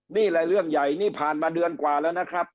นี่แหละเรื่องใหญ่นี่ผ่านมาเดือนกว่าแล้วนะครับ